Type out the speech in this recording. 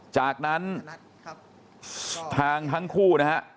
จากนั้นทางทั้งคู่